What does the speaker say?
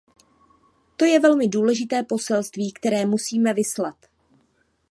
To je velmi důležité poselství, které musíme vyslat.